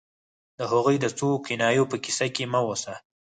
د هغوی د څو کنایو په کیسه کې مه اوسه